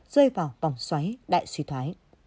rơi vào vòng xoáy đại suy thoái